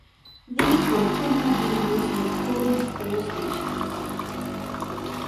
These were frequently used with coded pull stations.